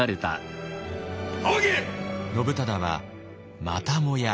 信忠はまたもや